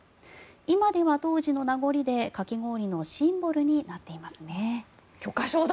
今では当時の名残でかき氷のシンボルになっていますね。